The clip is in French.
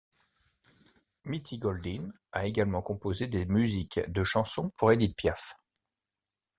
Mitty Goldin a également composé des musiques de chansons pour Édith Piaf.